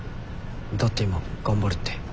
だって今「頑張る」って。